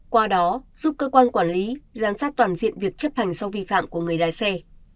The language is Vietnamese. qua đó giúp cơ quan quản lý giám sát toàn diện việc chấp hành sau vi phạm của người lái xe